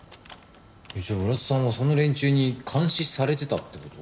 じゃあ浦田さんはその連中に監視されてたって事？